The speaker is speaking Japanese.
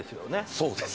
そうですね